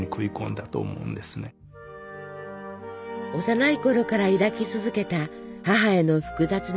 幼いころから抱き続けた母への複雑な思い。